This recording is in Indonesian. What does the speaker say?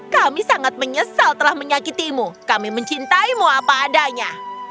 kami sangat menyesal telah menyakitimu kami mencintaimu apa adanya